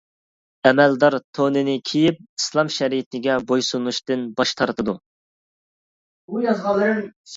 ئەمەلدار تونىنى كىيىپ، ئىسلام شەرىئىتىگە بويسۇنۇشتىن باش تارتىدۇ.